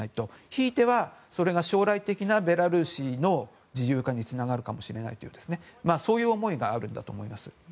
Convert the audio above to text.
ひいては、それが将来的なベラルーシの自由化につながるかもしれないという思いがあるんだと思います。